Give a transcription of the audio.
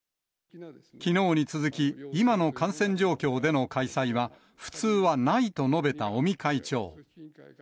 きのうに続き、今の感染状況での開催は、普通はないと述べた尾身会長。